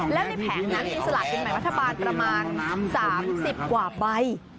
แล้วในแผ่นนั้นอินสลัดอินแห่งมัธบาลประมาณ๓๐กว่าใบ